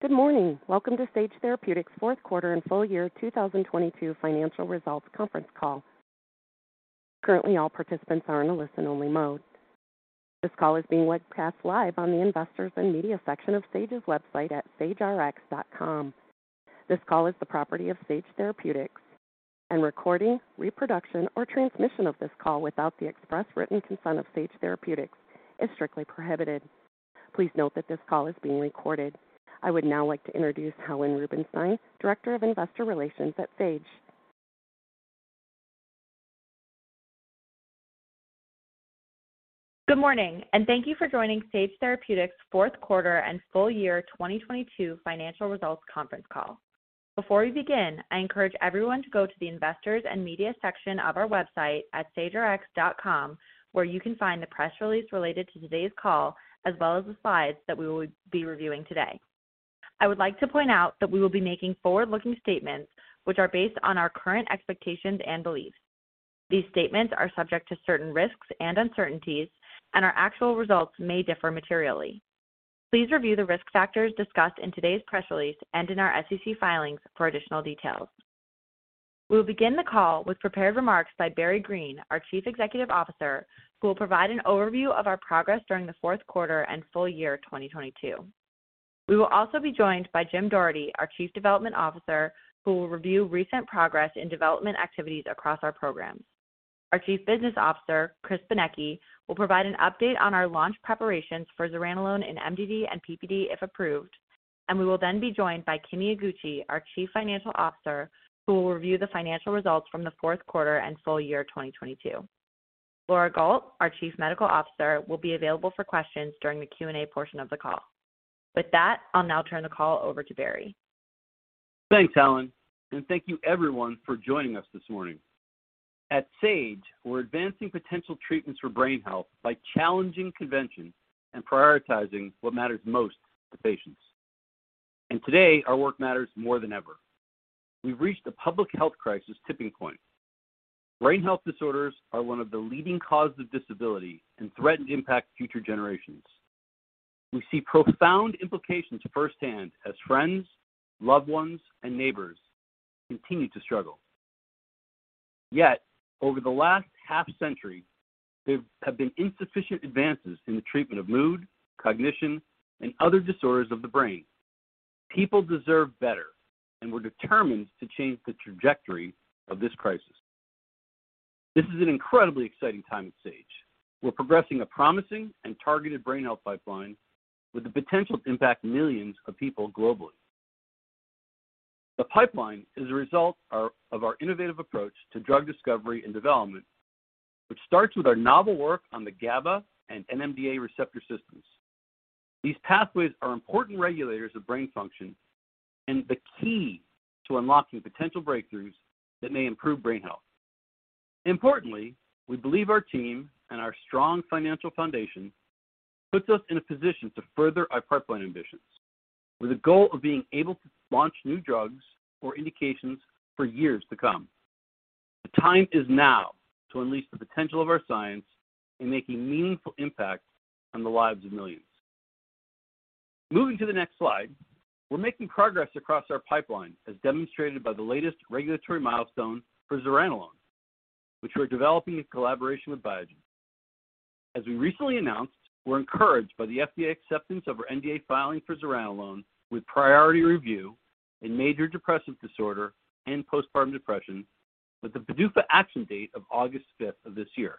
Good morning. Welcome to Sage Therapeutics' fourth quarter and full year 2022 financial results conference call. Currently, all participants are in a listen-only mode. This call is being webcast live on the Investors and Media section of Sage's website at sagerx.com. Recording, reproduction, or transmission of this call without the express written consent of Sage Therapeutics is strictly prohibited. Please note that this call is being recorded. I would now like to introduce Helen Rubinstein, Director of Investor Relations at Sage. Good morning, thank you for joining Sage Therapeutics' Q4 and full year 2022 financial results conference call. Before we begin, I encourage everyone to go to the Investors and Media section of our website at sagerx.com, where you can find the press release related to today's call, as well as the slides that we will be reviewing today. I would like to point out that we will be making forward-looking statements, which are based on our current expectations and beliefs. These statements are subject to certain risks and uncertainties, and our actual results may differ materially. Please review the risk factors discussed in today's press release and in our SEC filings for additional details. We will begin the call with prepared remarks by Barry Greene, our Chief Executive Officer, who will provide an overview of our progress during the Q4 and full year 2022. We will also be joined by Jim Doherty, our Chief Development Officer, who will review recent progress in development activities across our programs. Our Chief Business Officer, Chris Benecchi, will provide an update on our launch preparations for Zuranolone in MDD and PPD, if approved. We will then be joined by Kimi Iguchi, our Chief Financial Officer, who will review the financial results from the Q4 and full year 2022. Laura Gault, our Chief Medical Officer, will be available for questions during the Q&A portion of the call. With that, I'll now turn the call over to Barry. Thanks, Helen. Thank you everyone for joining us this morning. At Sage, we're advancing potential treatments for brain health by challenging convention and prioritizing what matters most to patients. Today, our work matters more than ever. We've reached a public health crisis tipping point. Brain health disorders are one of the leading causes of disability and threaten to impact future generations. We see profound implications firsthand as friends, loved ones, and neighbors continue to struggle. Yet, over the last half-century, there have been insufficient advances in the treatment of mood, cognition, and other disorders of the brain. People deserve better, and we're determined to change the trajectory of this crisis. This is an incredibly exciting time at Sage. We're progressing a promising and targeted brain health pipeline with the potential to impact millions of people globally. The pipeline is a result of our innovative approach to drug discovery and development, which starts with our novel work on the GABA and NMDA receptor systems. These pathways are important regulators of brain function and the key to unlocking potential breakthroughs that may improve brain health. Importantly, we believe our team and our strong financial foundation puts us in a position to further our pipeline ambitions with a goal of being able to launch new drugs or indications for years to come. The time is now to unleash the potential of our science in making meaningful impact on the lives of millions. Moving to the next slide. We're making progress across our pipeline, as demonstrated by the latest regulatory milestone for Zuranolone, which we're developing in collaboration with Biogen. As we recently announced, we're encouraged by the FDA acceptance of our NDA filing for Zuranolone with priority review in major depressive disorder and postpartum depression, with the PDUFA action date of August 5th of this year.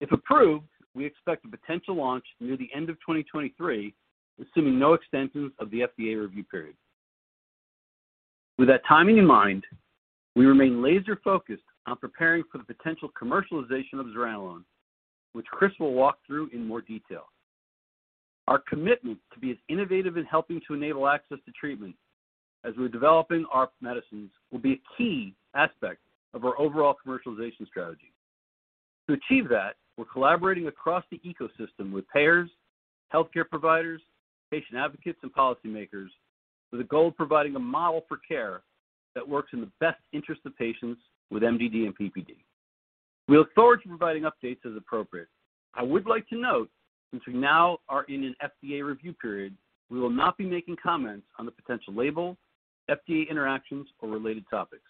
If approved, we expect a potential launch near the end of 2023, assuming no extensions of the FDA review period. With that timing in mind, we remain laser-focused on preparing for the potential commercialization of Zuranolone, which Chris will walk through in more detail. Our commitment to be as innovative in helping to enable access to treatment as we're developing our medicines will be a key aspect of our overall commercialization strategy. To achieve that, we're collaborating across the ecosystem with payers, healthcare providers, patient advocates, and policymakers with a goal of providing a model for care that works in the best interest of patients with MDD and PPD. We look forward to providing updates as appropriate. I would like to note, since we now are in an FDA review period, we will not be making comments on the potential label, FDA interactions, or related topics.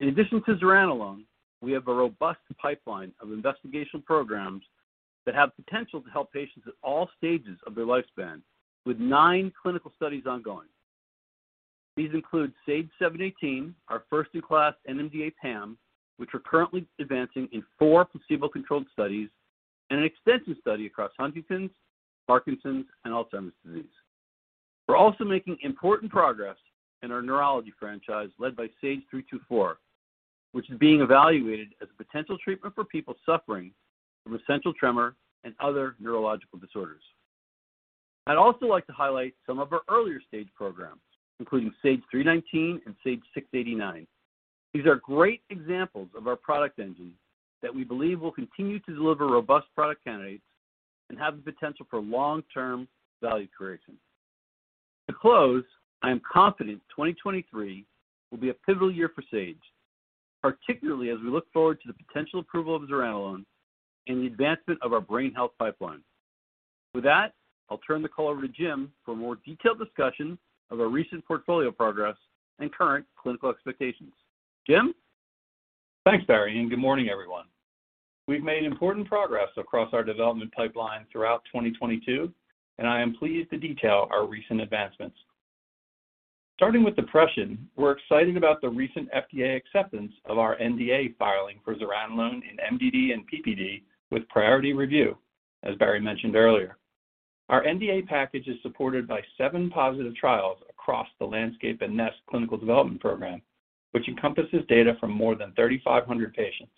In addition to Zuranolone, we have a robust pipeline of investigational programs that have potential to help patients at all stages of their lifespan, with 9 clinical studies ongoing. These include SAGE-718, our first-in-class NMDA-PAM, which we're currently advancing in 4 placebo-controlled studies and an extension study across Huntington's disease, Parkinson's disease, and Alzheimer's disease. We're also making important progress in our neurology franchise led by SAGE-324, which is being evaluated as a potential treatment for people suffering from essential tremor and other neurological disorders. I'd also like to highlight some of our earlier stage programs, including SAGE-319 and SAGE-689. These are great examples of our product engine that we believe will continue to deliver robust product candidates and have the potential for long-term value creation. To close, I am confident 2023 will be a pivotal year for Sage. Particularly as we look forward to the potential approval of Zuranolone and the advancement of our brain health pipeline. With that, I'll turn the call over to Jim for a more detailed discussion of our recent portfolio progress and current clinical expectations. Jim? Thanks, Barry, and good morning, everyone. We've made important progress across our development pipeline throughout 2022, and I am pleased to detail our recent advancements. Starting with depression, we're excited about the recent FDA acceptance of our NDA filing for Zuranolone in MDD and PPD with priority review, as Barry mentioned earlier. Our NDA package is supported by seven positive trials across the LANDSCAPE and NEST clinical development program, which encompasses data from more than 3,500 patients.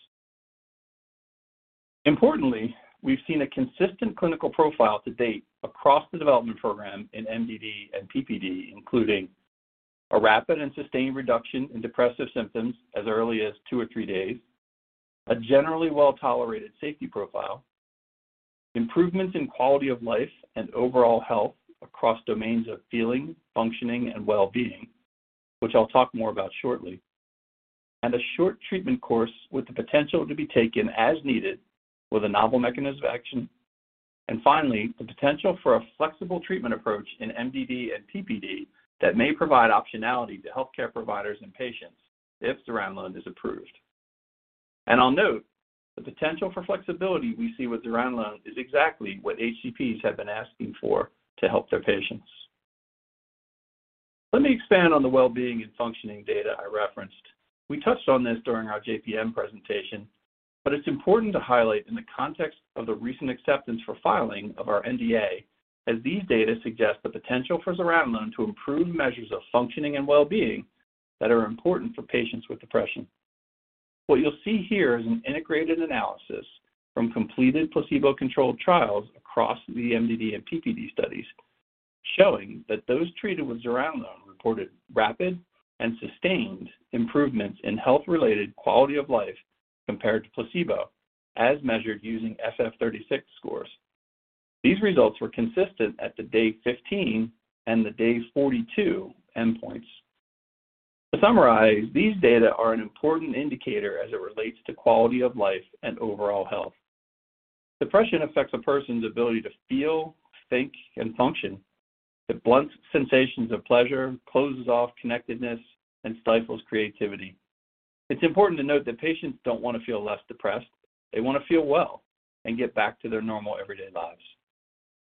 Importantly, we've seen a consistent clinical profile to date across the development program in MDD and PPD, including a rapid and sustained reduction in depressive symptoms as early as 2 or 3 days, a generally well-tolerated safety profile, improvements in quality of life and overall health across domains of feeling, functioning, and well-being, which I'll talk more about shortly, and a short treatment course with the potential to be taken as needed with a novel mechanism of action. Finally, the potential for a flexible treatment approach in MDD and PPD that may provide optionality to healthcare providers and patients if Zuranolone is approved. I'll note the potential for flexibility we see with Zuranolone is exactly what HCPs have been asking for to help their patients. Let me expand on the well-being and functioning data I referenced. We touched on this during our JPM presentation, but it's important to highlight in the context of the recent acceptance for filing of our NDA, as these data suggest the potential for Zuranolone to improve measures of functioning and well-being that are important for patients with depression. What you'll see here is an integrated analysis from completed placebo-controlled trials across the MDD and PPD studies showing that those treated with Zuranolone reported rapid and sustained improvements in health-related quality of life compared to placebo, as measured using SF-36 scores. These results were consistent at the day 15 and the day 42 endpoints. To summarize, these data are an important indicator as it relates to quality of life and overall health. Depression affects a person's ability to feel, think, and function. It blunts sensations of pleasure, closes off connectedness, and stifles creativity. It's important to note that patients don't want to feel less depressed. They want to feel well and get back to their normal everyday lives.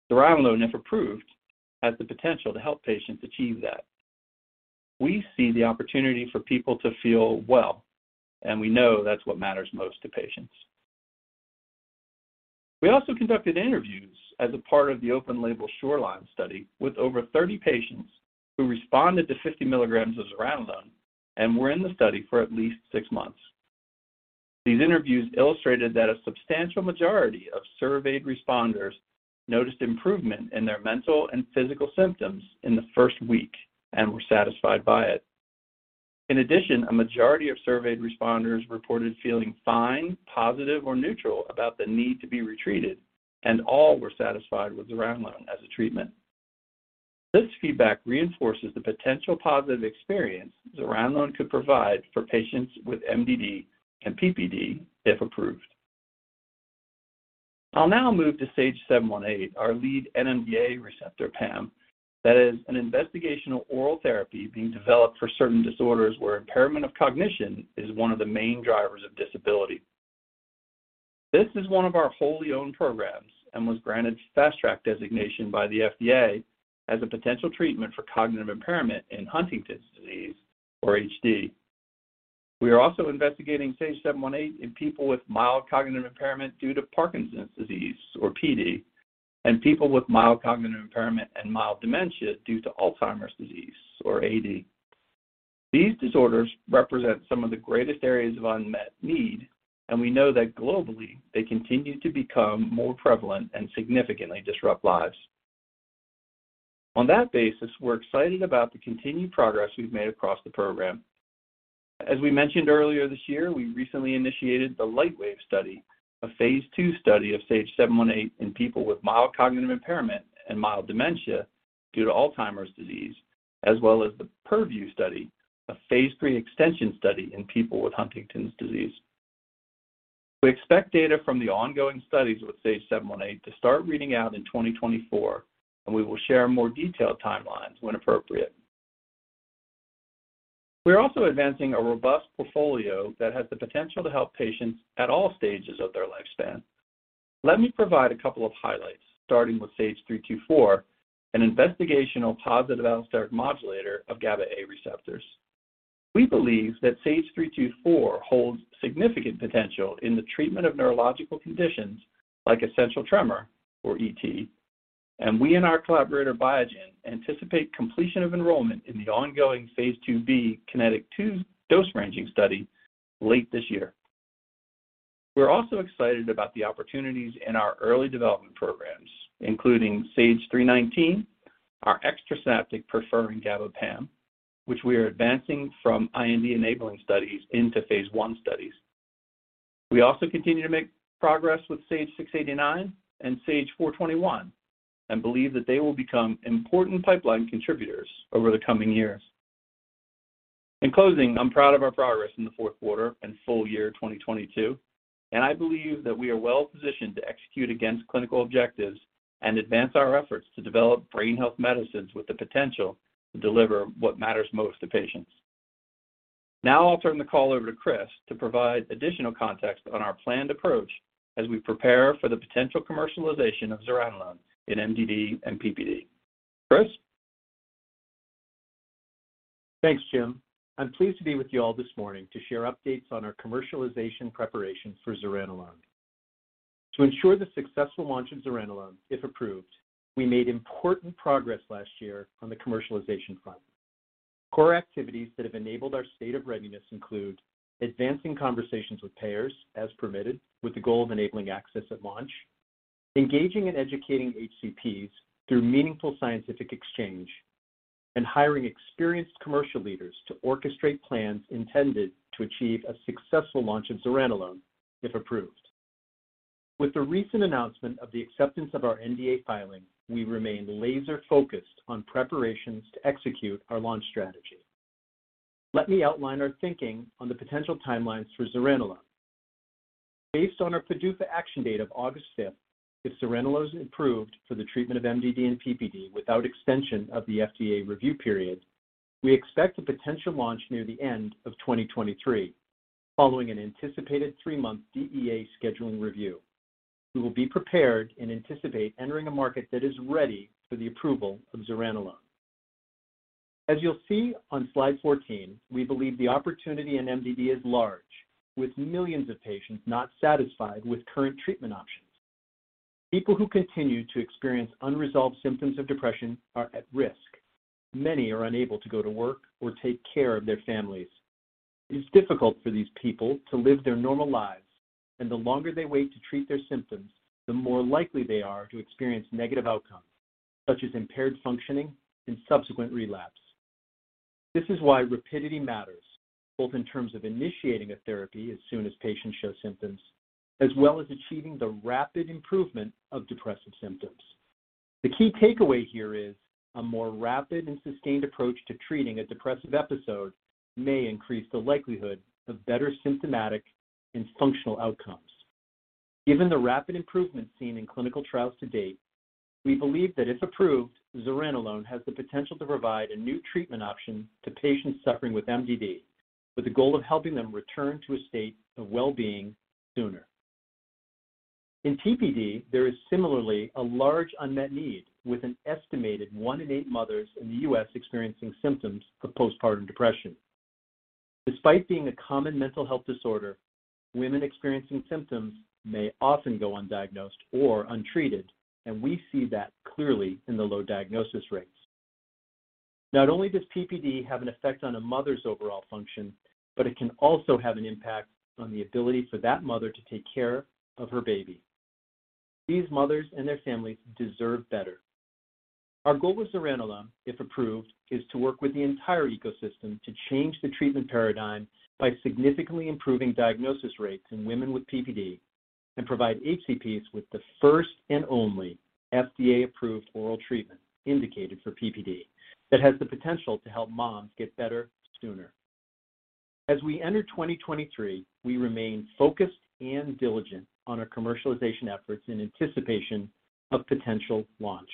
Zuranolone, if approved, has the potential to help patients achieve that. We see the opportunity for people to feel well, and we know that's what matters most to patients. We also conducted interviews as a part of the open label SHORELINE study with over 30 patients who responded to 50 mg of Zuranolone and were in the study for at least six months. These interviews illustrated that a substantial majority of surveyed responders noticed improvement in their mental and physical symptoms in the first week and were satisfied by it. In addition, a majority of surveyed responders reported feeling fine, positive, or neutral about the need to be retreated, and all were satisfied with Zuranolone as a treatment. This feedback reinforces the potential positive experience Zuranolone could provide for patients with MDD and PPD if approved. I'll now move to SAGE-718, our lead NMDA receptor PAM. That is an investigational oral therapy being developed for certain disorders where impairment of cognition is one of the main drivers of disability. This is one of our wholly owned programs and was granted Fast Track designation by the FDA as a potential treatment for cognitive impairment in Huntington's disease or HD. We are also investigating SAGE-718 in people with mild cognitive impairment due to Parkinson's disease or PD, and people with mild cognitive impairment and mild dementia due to Alzheimer's disease or AD. These disorders represent some of the greatest areas of unmet need, we know that globally they continue to become more prevalent and significantly disrupt lives. On that basis, we're excited about the continued progress we've made across the program. As we mentioned earlier this year, we recently initiated the LIGHTWAVE study, a phase II study of SAGE-718 in people with mild cognitive impairment and mild dementia due to Alzheimer's disease, as well as the PURVIEW study, a phase III extension study in people with Huntington's disease. We expect data from the ongoing studies with SAGE-718 to start reading out in 2024, and we will share more detailed timelines when appropriate. We are also advancing a robust portfolio that has the potential to help patients at all stages of their lifespan. Let me provide a couple of highlights starting with SAGE-324, an investigational positive allosteric modulator of GABA A receptors. We believe that SAGE-324 holds significant potential in the treatment of neurological conditions like essential tremor or ET. We and our collaborator Biogen anticipate completion of enrollment in the ongoing phase II-b KINETIC 2 dose ranging study late this year. We're also excited about the opportunities in our early development programs, including SAGE-319, our extrasynaptic preferring GABA PAM, which we are advancing from IND enabling studies into phase I studies. We also continue to make progress with SAGE-689 and SAGE-421 and believe that they will become important pipeline contributors over the coming years. In closing, I'm proud of our progress in the Q4 and full year 2022, and I believe that we are well-positioned to execute against clinical objectives and advance our efforts to develop brain health medicines with the potential to deliver what matters most to patients. I'll turn the call over to Chris to provide additional context on our planned approach as we prepare for the potential commercialization of Zuranolone in MDD and PPD. Chris? Thanks, Jim. I'm pleased to be with you all this morning to share updates on our commercialization preparations for Zuranolone. To ensure the successful launch of Zuranolone, if approved, we made important progress last year on the commercialization front. Core activities that have enabled our state of readiness include advancing conversations with payers as permitted, with the goal of enabling access at launch, engaging and educating HCPs through meaningful scientific exchange, and hiring experienced commercial leaders to orchestrate plans intended to achieve a successful launch of Zuranolone, if approved. The recent announcement of the acceptance of our NDA filing, we remain laser-focused on preparations to execute our launch strategy. Let me outline our thinking on the potential timelines for Zuranolone. Based on our PDUFA action date of August 5th, 2023, if Zuranolone is approved for the treatment of MDD and PPD without extension of the FDA review period, we expect a potential launch near the end of 2023 following an anticipated three-month DEA scheduling review. We will be prepared and anticipate entering a market that is ready for the approval of Zuranolone. As you'll see on slide 14, we believe the opportunity in MDD is large, with millions of patients not satisfied with current treatment options. People who continue to experience unresolved symptoms of depression are at risk. Many are unable to go to work or take care of their families. It is difficult for these people to live their normal lives, and the longer they wait to treat their symptoms, the more likely they are to experience negative outcomes, such as impaired functioning and subsequent relapse. This is why rapidity matters, both in terms of initiating a therapy as soon as patients show symptoms, as well as achieving the rapid improvement of depressive symptoms. The key takeaway here is a more rapid and sustained approach to treating a depressive episode may increase the likelihood of better symptomatic and functional outcomes. Given the rapid improvements seen in clinical trials to date, we believe that if approved, Zuranolone has the potential to provide a new treatment option to patients suffering with MDD, with the goal of helping them return to a state of well-being sooner. In PPD, there is similarly a large unmet need, with an estimated one in eight mothers in the US experiencing symptoms of postpartum depression. Despite being a common mental health disorder, women experiencing symptoms may often go undiagnosed or untreated, and we see that clearly in the low diagnosis rates. Not only does PPD have an effect on a mother's overall function, but it can also have an impact on the ability for that mother to take care of her baby. These mothers and their families deserve better. Our goal with Zuranolone, if approved, is to work with the entire ecosystem to change the treatment paradigm by significantly improving diagnosis rates in women with PPD and provide HCPs with the first and only FDA-approved oral treatment indicated for PPD that has the potential to help moms get better sooner. As we enter 2023, we remain focused and diligent on our commercialization efforts in anticipation of potential launch.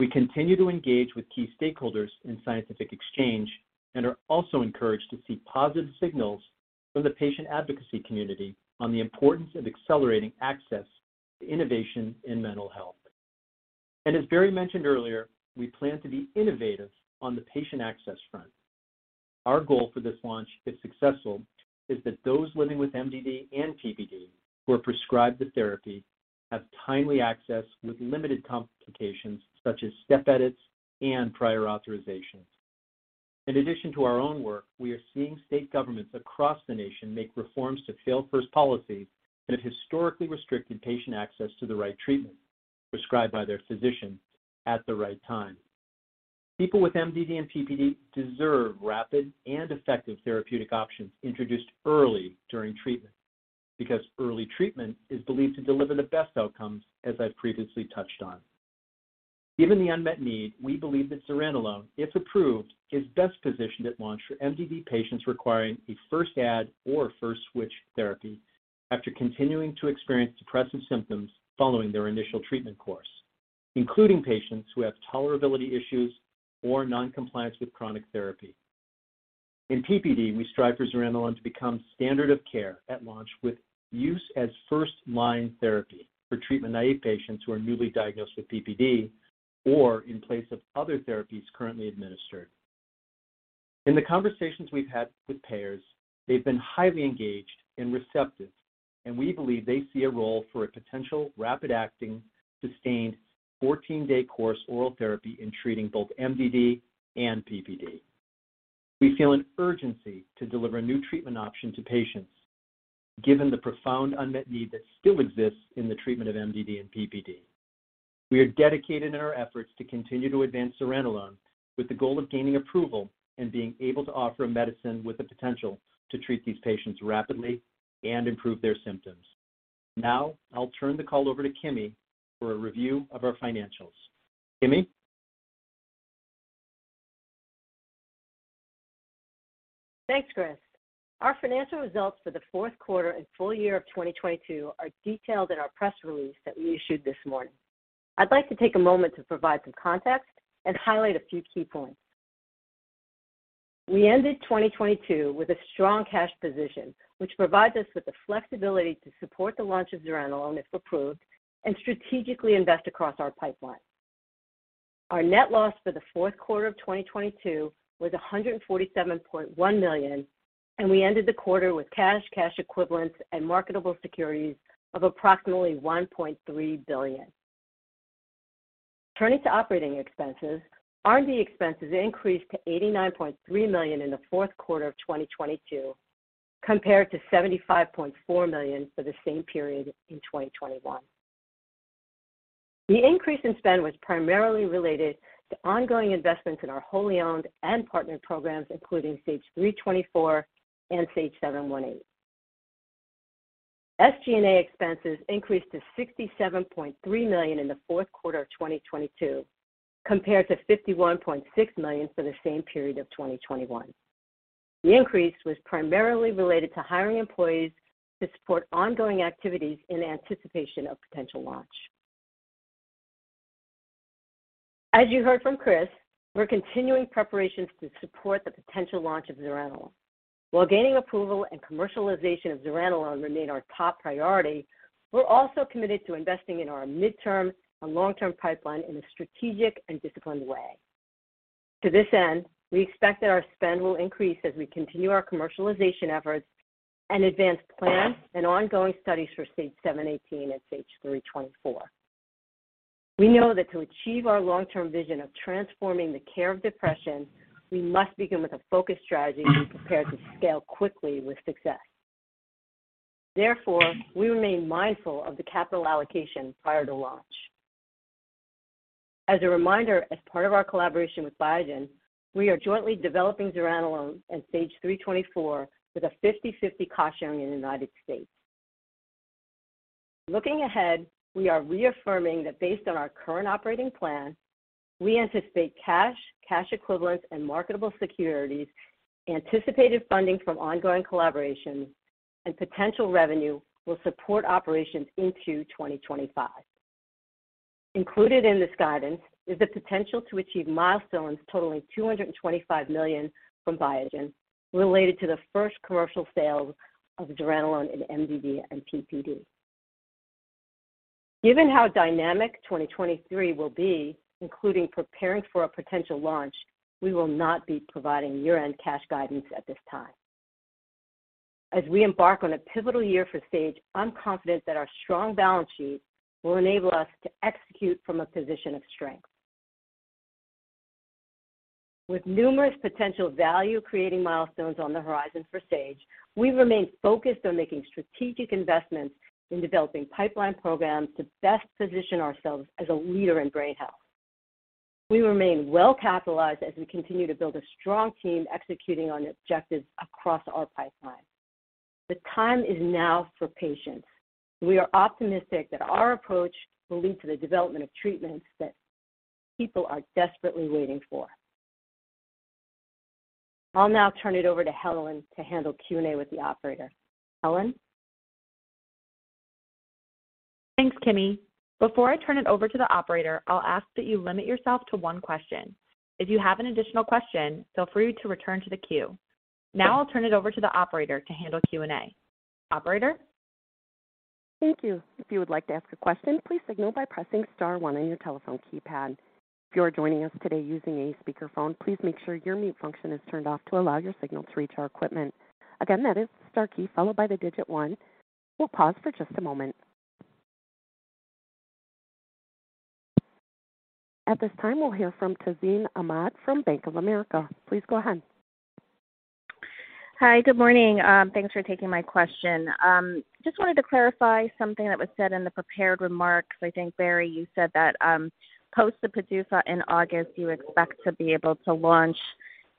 We continue to engage with key stakeholders in scientific exchange and are also encouraged to see positive signals from the patient advocacy community on the importance of accelerating access to innovation in mental health. As Barry mentioned earlier, we plan to be innovative on the patient access front. Our goal for this launch, if successful, is that those living with MDD and PPD who are prescribed the therapy have timely access with limited complications such as step edits and prior authorizations. In addition to our own work, we are seeing state governments across the nation make reforms to fail first policies that have historically restricted patient access to the right treatment prescribed by their physician at the right time. People with MDD and PPD deserve rapid and effective therapeutic options introduced early during treatment because early treatment is believed to deliver the best outcomes, as I've previously touched on. Given the unmet need, we believe that Zuranolone, if approved, is best positioned at launch for MDD patients requiring a first add or first switch therapy after continuing to experience depressive symptoms following their initial treatment course, including patients who have tolerability issues or noncompliance with chronic therapy. In PPD, we strive for Zuranolone to become standard of care at launch with use as first-line therapy for treatment-naive patients who are newly diagnosed with PPD or in place of other therapies currently administered. In the conversations we've had with payers, they've been highly engaged and receptive. We believe they see a role for a potential rapid-acting, sustained 14-day course oral therapy in treating both MDD and PPD. We feel an urgency to deliver a new treatment option to patients given the profound unmet need that still exists in the treatment of MDD and PPD. We are dedicated in our efforts to continue to advance Zuranolone with the goal of gaining approval and being able to offer a medicine with the potential to treat these patients rapidly and improve their symptoms. I'll turn the call over to Kimi for a review of our financials. Kimi? Thanks, Chris. Our financial results for the Q4 and full year of 2022 are detailed in our press release that we issued this morning. I'd like to take a moment to provide some context and highlight a few key points. We ended 2022 with a strong cash position, which provides us with the flexibility to support the launch of Zuranolone if approved, and strategically invest across our pipeline. Our net loss for the Q4 of 2022 was $147.1 million, and we ended the quarter with cash equivalents, and marketable securities of approximately $1.3 billion. Turning to operating expenses, R&D expenses increased to $89.3 million in the Q4 of 2022 compared to $75.4 million for the same period in 2021. The increase in spend was primarily related to ongoing investments in our wholly owned and partnered programs, including SAGE-324 and SAGE-718. SG&A expenses increased to $67.3 million in the Q4 of 2022 compared to $51.6 million for the same period of 2021. The increase was primarily related to hiring employees to support ongoing activities in anticipation of potential launch. As you heard from Chris, we're continuing preparations to support the potential launch of Zuranolone. While gaining approval and commercialization of Zuranolone remain our top priority, we're also committed to investing in our midterm and long-term pipeline in a strategic and disciplined way. To this end, we expect that our spend will increase as we continue our commercialization efforts and advance plans and ongoing studies for SAGE-718 and SAGE-324. We know that to achieve our long-term vision of transforming the care of depression, we must begin with a focused strategy and be prepared to scale quickly with success. Therefore, we remain mindful of the capital allocation prior to launch. As a reminder, as part of our collaboration with Biogen, we are jointly developing Zuranolone and SAGE-324 with a 50/50 cost sharing in the United States. Looking ahead, we are reaffirming that based on our current operating plan, we anticipate cash equivalents and marketable securities, anticipated funding from ongoing collaborations and potential revenue will support operations into 2025. Included in this guidance is the potential to achieve milestones totaling $225 million from Biogen related to the first commercial sales of Zuranolone in MDD and PPD. Given how dynamic 2023 will be, including preparing for a potential launch, we will not be providing year-end cash guidance at this time. As we embark on a pivotal year for Sage, I'm confident that our strong balance sheet will enable us to execute from a position of strength. With numerous potential value-creating milestones on the horizon for Sage, we remain focused on making strategic investments in developing pipeline programs to best position ourselves as a leader in brain health. We remain well-capitalized as we continue to build a strong team executing on objectives across our pipeline. The time is now for patients. We are optimistic that our approach will lead to the development of treatments that people are desperately waiting for. I'll now turn it over to Helen to handle Q&A with the operator. Helen? Thanks, Kimi. Before I turn it over to the operator, I'll ask that you limit yourself to one question. If you have an additional question, feel free to return to the queue. I'll turn it over to the operator to handle Q&A. Operator? Thank you. If you would like to ask a question, please signal by pressing star one on your telephone keypad. If you are joining us today using a speakerphone, please make sure your mute function is turned off to allow your signal to reach our equipment. Again, that is star key followed by the digit one. We'll pause for just a moment. At this time, we'll hear from Tazeen Ahmad from Bank of America. Please go ahead. Hi. Good morning. Thanks for taking my question. Just wanted to clarify something that was said in the prepared remarks. I think, Barry, you said that, post the PDUFA in August, you expect to be able to launch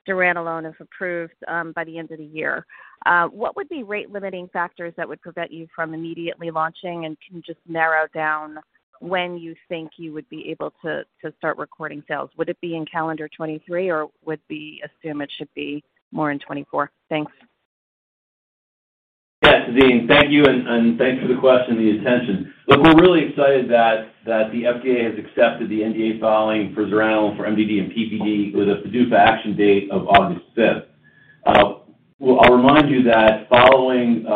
Zuranolone if approved, by the end of the year. What would be rate-limiting factors that would prevent you from immediately launching, and can you just narrow down when you think you would be able to start recording sales? Would it be in calendar 2023, or would we assume it should be more in 2024? Thanks. Tazeen, thank you and thanks for the question, the attention. Look, we're really excited that the FDA has accepted the NDA filing for Zuranolone for MDD and PPD with a PDUFA action date of August 5th, 2023. Well, I'll remind you that following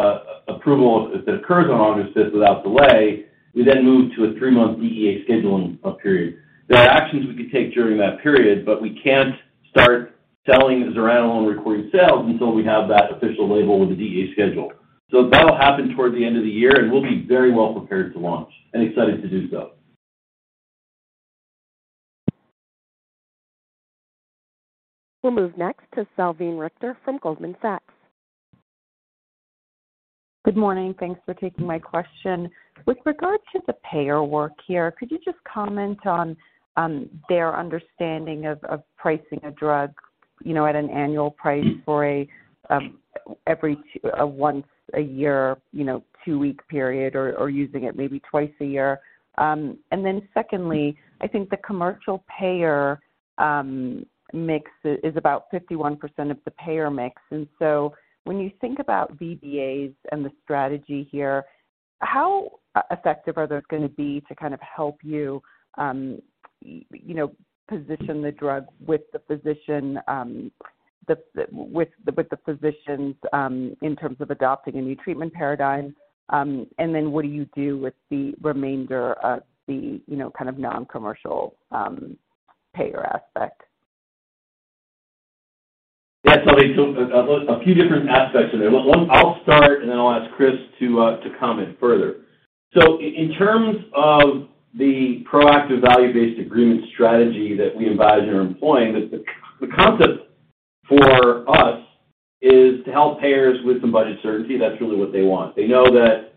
approval, if it occurs on August fifth without delay, we then move to a three-month DEA scheduling period. There are actions we can take during that period, but we can't start selling Zuranolone recording sales until we have that official label with the DEA schedule. That'll happen toward the end of the year, and we'll be very well prepared to launch and excited to do so. We'll move next to Salveen Richter from Goldman Sachs. Good morning. Thanks for taking my question. With regard to the payer work here, could you just comment on their understanding of pricing a drug, you know, at an annual price for a, once a year, you know, two-week period or using it maybe twice a year? Secondly, I think the commercial payer mix is about 51% of the payer mix. When you think about DBA and the strategy here, how effective are those gonna be to kind of help you know, position the drug with the physician, with the physicians, in terms of adopting a new treatment paradigm? What do you do with the remainder of the, you know, kind of non-commercial payer aspect? Yeah. A few different aspects in there. One, I'll start, and then I'll ask Chris to comment further. In terms of the proactive value-based agreement strategy that we advise and are employing, the concept for us is to help payers with some budget certainty. That's really what they want. They know that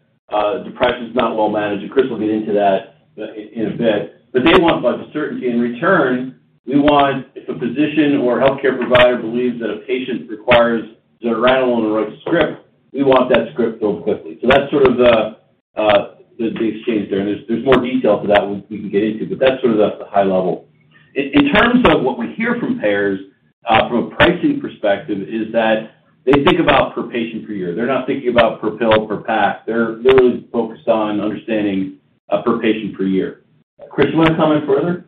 depression is not well managed, and Chris will get into that in a bit. They want budget certainty. In return, we want, if a physician or healthcare provider believes that a patient requires Zuranolone and writes a script, we want that script filled quickly. That's sort of the exchange there, and there's more detail to that we can get into, but that's sort of the high level. In terms of what we hear from payers, from a pricing perspective, is that they think about per patient per year. They're not thinking about per pill, per pack. They're really focused on understanding, per patient per year. Chris, you wanna comment further?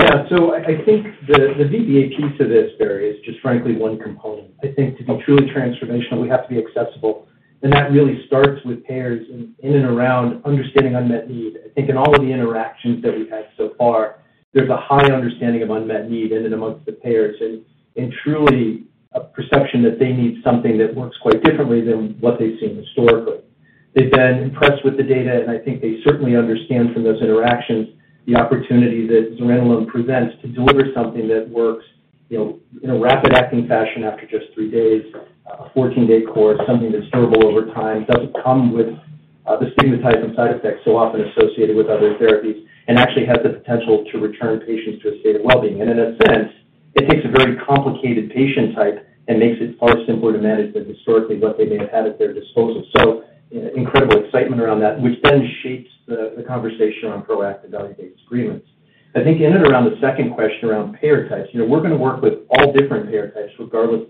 I think the DBA piece to this, Barry, is just frankly one component. I think to be truly transformational, we have to be accessible, and that really starts with payers in and around understanding unmet need. I think in all of the interactions that we've had so far, there's a high understanding of unmet need in and amongst the payers and truly a perception that they need something that works quite differently than what they've seen historically. They've been impressed with the data, and I think they certainly understand from those interactions the opportunity that Zuranolone presents to deliver something that works, you know, in a rapid-acting fashion after just three days, a 14-day course, something that's durable over time, doesn't come with the stigmatizing side effects so often associated with other therapies, and actually has the potential to return patients to a state of well-being. In a sense, it takes a very complicated patient type and makes it far simpler to manage than historically what they may have had at their disposal. Incredible excitement around that, which shapes the conversation around proactive value-based agreements. I think in and around the second question around payer types, you know, we're gonna work with all different payer types regardless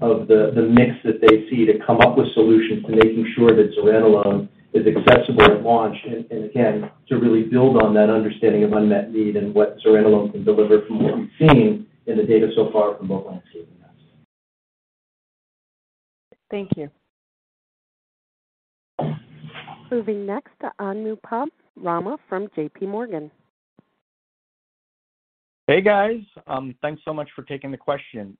of the mix that they see to come up with solutions to making sure that Zuranolone is accessible at launch and again, to really build on that understanding of unmet need and what Zuranolone can deliver from what we've seen in the data so far from both LANDSCAPE and us. Thank you. Moving next to Anupam Rama from J.P. Morgan. Hey, guys. Thanks so much for taking the question.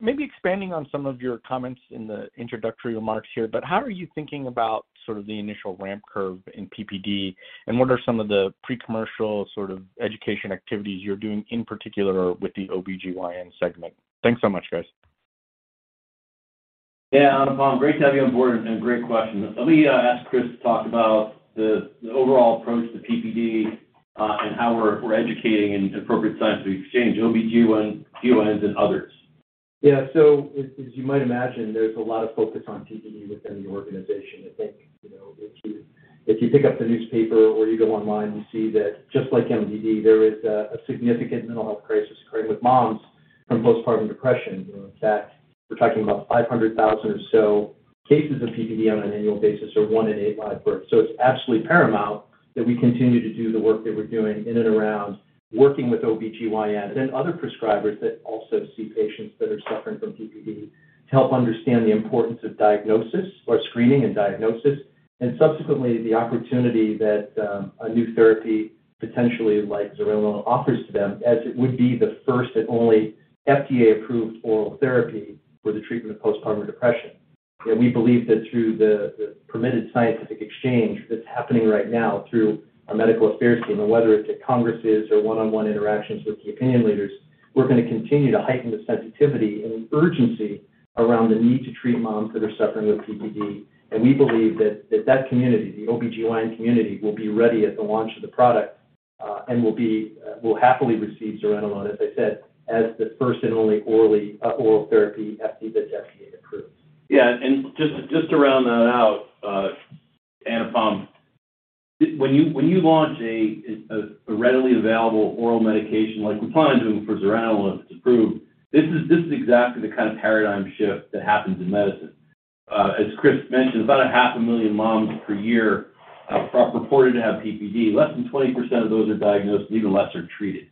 Maybe expanding on some of your comments in the introductory remarks here, how are you thinking about sort of the initial ramp curve in PPD, and what are some of the pre-commercial sort of education activities you're doing in particular with the OBGYN segment? Thanks so much, guys. Yeah. Anupam, great to have you on board and great question. Let me ask Chris to talk about the overall approach to PPD and how we're educating in appropriate scientific exchange, OBGYN, GYNs and others. Yeah. As you might imagine, there's a lot of focus on PPD within the organization. I think, you know, if you pick up the newspaper or you go online, you see that just like MDD, there is a significant mental health crisis occurring with moms from postpartum depression. You know, in fact, we're talking about 500,000 or so cases of PPD on an annual basis, or one in eight live births. It's absolutely paramount that we continue to do the work that we're doing in and around working with OBGYN and other prescribers that also see patients that are suffering from PPD to help understand the importance of diagnosis or screening and diagnosis, and subsequently the opportunity that a new therapy potentially like Zuranolone offers to them as it would be the first and only FDA-approved oral therapy for the treatment of postpartum depression. You know, we believe that through the permitted scientific exchange that's happening right now through our medical affairs team, and whether it's at congresses or one-on-one interactions with key opinion leaders, we're gonna continue to heighten the sensitivity and urgency around the need to treat moms that are suffering with PPD. We believe that community, the OBGYN community, will be ready at the launch of the product and will happily receive Zuranolone, as I said, as the first and only orally oral therapy after the FDA approves. Just to round that out, Anupam, when you launch a readily available oral medication like we plan on doing for Zuranolone if it's approved, this is exactly the kind of paradigm shift that happens in medicine. As Chris mentioned, about a half a million moms per year, are purported to have PPD. Less than 20% of those are diagnosed, and even less are treated.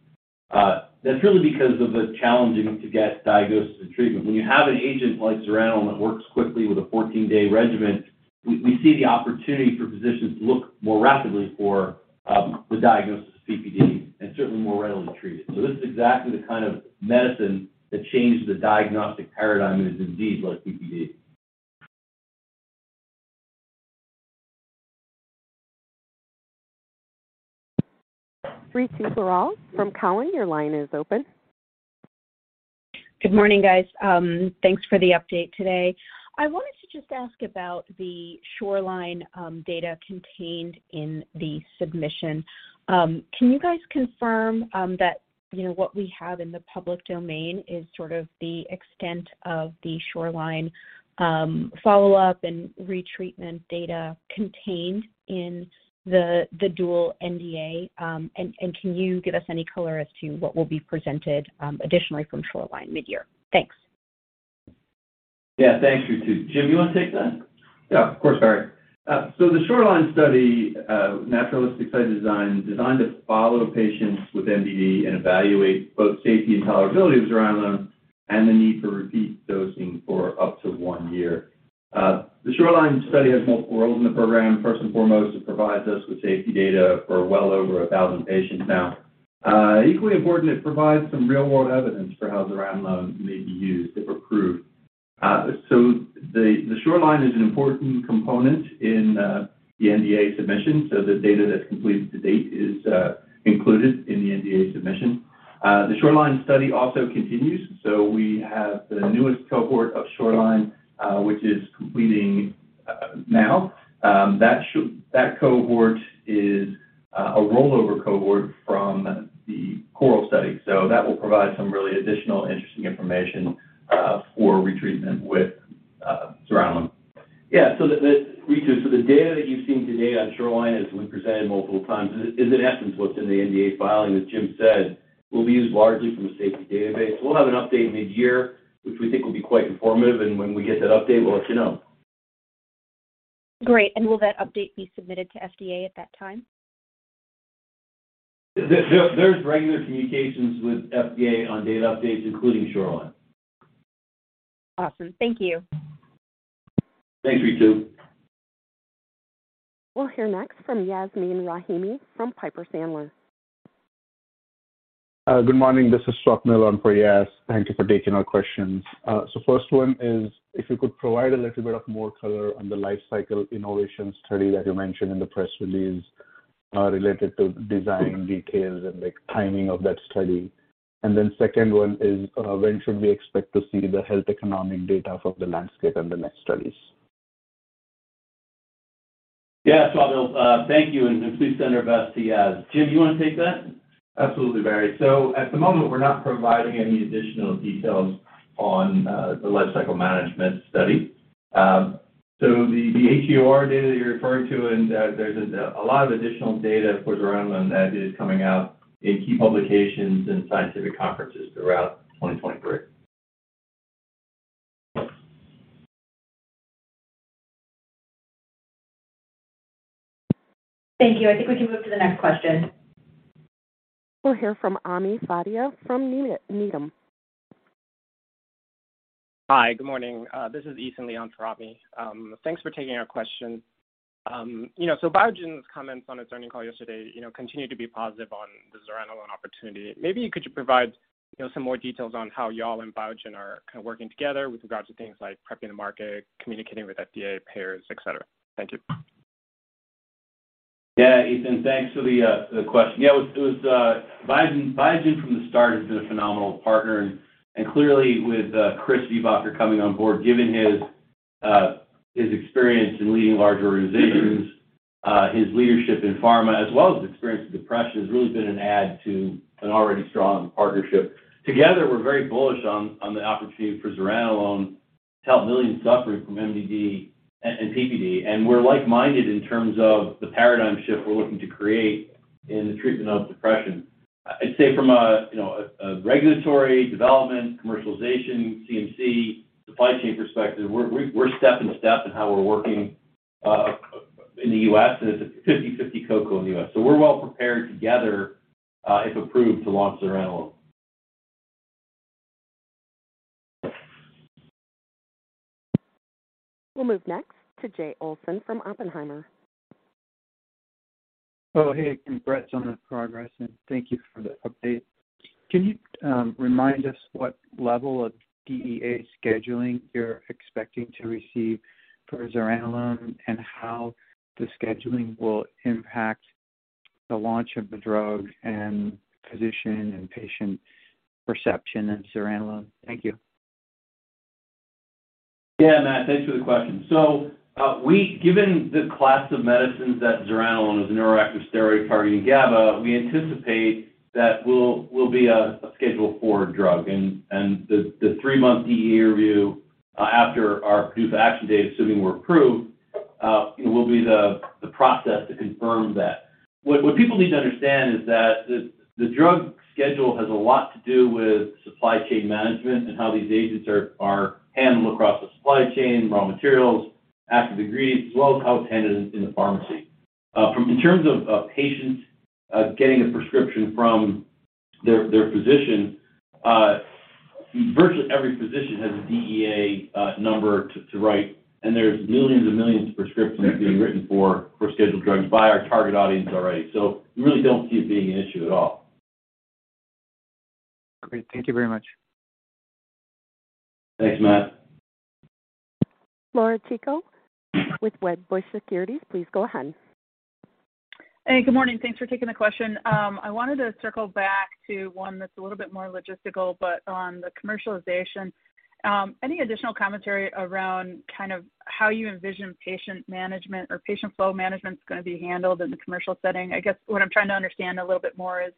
That's really because of the challenging to get diagnosis and treatment. When you have an agent like Zuranolone that works quickly with a 14-day regimen, we see the opportunity for physicians to look more rapidly for the diagnosis of PPD and certainly more readily treat it. This is exactly the kind of medicine that changes the diagnostic paradigm in a disease like PPD. Ritu Baral from Cowen, your line is open. Good morning, guys. Thanks for the update today. I wanted to just ask about the SHORELINE data contained in the submission. Can you guys confirm that, you know, what we have in the public domain is sort of the extent of the SHORELINE follow-up and retreatment data contained in the dual NDA? Can you give us any color as to what will be presented additionally from SHORELINE midyear? Thanks. Yeah. Thanks, Ritu. Jim, you wanna take that? Yeah, of course, Barry. The Shoreline study, naturalistic site design, designed to follow patients with MDD and evaluate both safety and tolerability of Zuranolone and the need for repeat dosing for up to one year. The Shoreline study has multiple roles in the program. First and foremost, it provides us with safety data for well over 1,000 patients now. Equally important, it provides some real-world evidence for how Zuranolone may be used if approved. The Shoreline is an important component in the NDA submission. The data that's completed to date is included in the NDA submission. The Shoreline study also continues, so we have the newest cohort of Shoreline, which is completing now. That cohort is a rollover cohort from the CORAL study. That will provide some really additional interesting information, for retreatment with Zuranolone. The Ritu, the data that you've seen today on SHORELINE, as we presented multiple times, is in essence, what's in the NDA filing, as Jim said, will be used largely from a safety database. We'll have an update midyear, which we think will be quite informative. When we get that update, we'll let you know. Great. Will that update be submitted to FDA at that time? There's regular communications with FDA on data updates, including SHORELINE. Awesome. Thank you. Thanks, Ritu. We'll hear next from Yasmeen Rahimi from Piper Sandler. Good morning. This is Swapnil on for Yas. Thank you for taking our questions. First one is if you could provide a little bit of more color on the lifecycle innovation study that you mentioned in the press release, related to design details and the timing of that study. Second one is, when should we expect to see the health economic data for the LANDSCAPE and the NEST studies? Yeah. Swapnil, thank you. Please send our best to Yas. Jim, you wanna take that? Absolutely, Barry. At the moment, we're not providing any additional details on the lifecycle management study. The HER data that you're referring to, there's a lot of additional data for Zuranolone that is coming out in key publications and scientific conferences throughout 2023. Thank you. I think we can move to the next question. We'll hear from Ami Fadia from Needham. Hi. Good morning. This is Ethan Ong for Ami. Thanks for taking our question. You know, Biogen's comments on its earnings call yesterday, you know, continue to be positive on the Zuranolone opportunity. Maybe could you provide, you know, some more details on how y'all and Biogen are kinda working together with regards to things like prepping the market, communicating with FDA, payers, et cetera? Thank you. Ethan, thanks for the question. Biogen from the start has been a phenomenal partner. Clearly with Chris Viehbacher coming on board, given his experience in leading large organizations, his leadership in pharma as well as experience with depression, has really been an add to an already strong partnership. Together, we're very bullish on the opportunity for Zuranolone to help millions suffering from MDD and PPD. We're like-minded in terms of the paradigm shift we're looking to create in the treatment of depression. I'd say from a, you know, a regulatory development, commercialization, CMC, supply chain perspective, we're step in step in how we're working in the U.S., and it's a 50-50 [cautionary] in the U.S. We're well prepared together, if approved, to launch Zuranolone. We'll move next to Jay Olson from Oppenheimer. Oh, hey. Congrats on the progress, and thank you for the update. Can you remind us what level of DEA scheduling you're expecting to receive for Zuranolone and how the scheduling will impact the launch of the drug and physician and patient perception in Zuranolone? Thank you. Yeah, Matt, thanks for the question. Given the class of medicines that Zuranolone is a neuroactive steroid targeting GABA, we anticipate that we'll be a Schedule IV drug. The three-month DEA review after our approved action date, assuming we're approved, will be the process to confirm that. What people need to understand is that the drug schedule has a lot to do with supply chain management and how these agents are handled across the supply chain, raw materials, active ingredients, as well as how it's handled in the pharmacy. In terms of patients getting a prescription from their physician, virtually every physician has a DEA number to write, and there's millions and millions of prescriptions being written for scheduled drugs by our target audience already. We really don't see it being an issue at all. Great. Thank you very much. Thanks, [much]. Laura Chico with Wedbush Securities, please go ahead. Hey, good morning. Thanks for taking the question. I wanted to circle back to one that's a little bit more logistical, but on the commercialization. Any additional commentary around kind of how you envision patient management or patient flow management is gonna be handled in the commercial setting? I guess what I'm trying to understand a little bit more is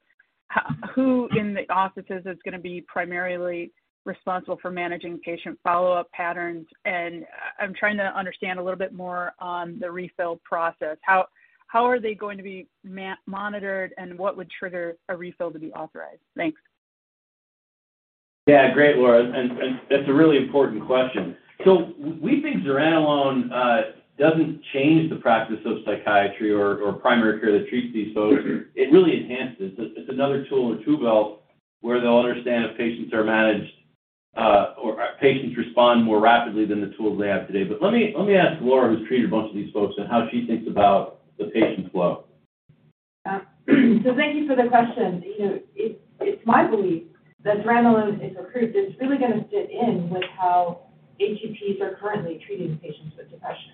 who in the offices is gonna be primarily responsible for managing patient follow-up patterns. I'm trying to understand a little bit more on the refill process. How are they going to be monitored, and what would trigger a refill to be authorized? Thanks. Yeah, great, Laura. That's a really important question. We think Zuranolone doesn't change the practice of psychiatry or primary care that treats these folks. It really enhances. It's another tool in the tool belt where they'll understand if patients are managed or patients respond more rapidly than the tools they have today. Let me ask Laura, who's treated a bunch of these folks, on how she thinks about the patient flow. Yeah. Thank you for the question. You know, it's my belief that Zuranolone, if approved, is really gonna fit in with how HCPs are currently treating patients with depression.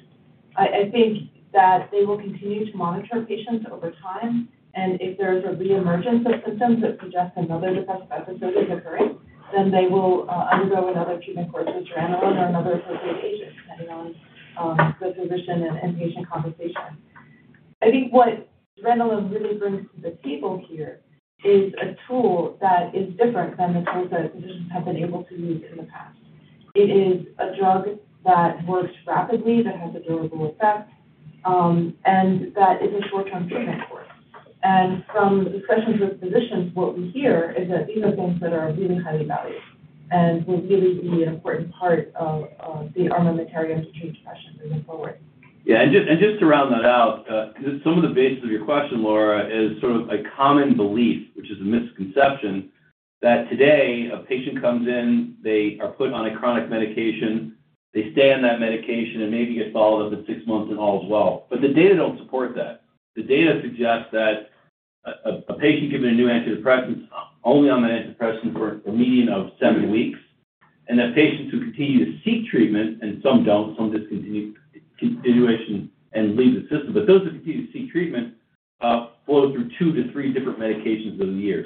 I think that they will continue to monitor patients over time, and if there is a reemergence of symptoms that suggests another depressive episode is occurring, then they will undergo another treatment course with Zuranolone or another appropriate agent, depending on the physician and patient conversation. I think what Zuranolone really brings to the table here is a tool that is different than the tools that physicians have been able to use in the past. It is a drug that works rapidly, that has a durable effect, and that is a short-term treatment course. From discussions with physicians, what we hear is that these are things that are really highly valued and will really be an important part of the armamentarium to treat depression moving forward. Yeah. Just to round that out, because some of the basis of your question, Laura, is sort of a common belief, which is a misconception, that today a patient comes in, they are put on a chronic medication. They stay on that medication and maybe get followed up at six months and all is well. The data don't support that. The data suggests that a patient given a new antidepressant is only on that antidepressant for a median of seven weeks and that patients who continue to seek treatment, and some don't, some discontinue continuation and leave the system, but those that continue to seek treatment, flow through two to three different medications within a year.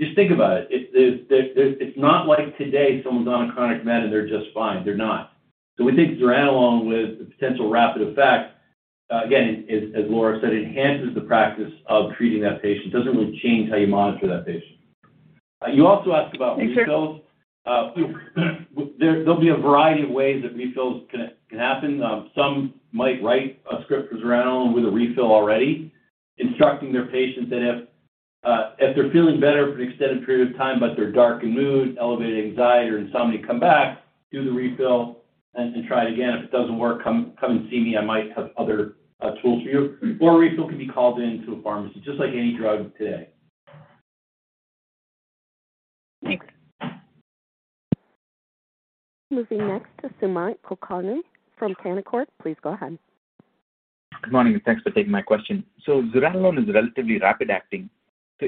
Just think about it. It's not like today someone's on a chronic med, and they're just fine. They're not. We think Zuranolone with the potential rapid effect, again, as Laura said, enhances the practice of treating that patient.It doesn't really change how you monitor that patient. you also asked about refills. There'll be a variety of ways that refills can happen. Some might write a script for Zuranolone with a refill already, instructing their patients that if they're feeling better for an extended period of time but they're dark in mood, elevated anxiety or insomnia come back, do the refill and try it again. If it doesn't work, come and see me, I might have other tools for you. A refill can be called in to a pharmacy, just like any drug today. Thanks. Moving next to Sumant Kulkarni from Canaccord. Please go ahead. Good morning, thanks for taking my question. Zuranolone is relatively rapid acting.